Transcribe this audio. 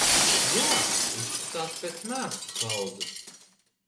Jā, izskatās pēc mēslu kaudzes.